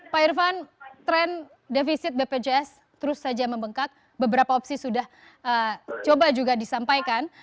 pak irvan tren defisit bpjs terus saja membengkak beberapa opsi sudah coba juga disampaikan